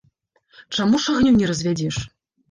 Чаму ж агню не развядзеш?